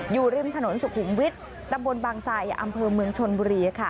อยู่ริมถนนสุขุมวิทย์ตำบลบางไซอำเภอเมืองชนบุรีค่ะ